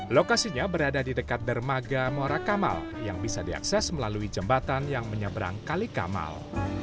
lokasinya berada di dekat dermaga muara kamal yang bisa diakses melalui jembatan yang menyeberang kali kamal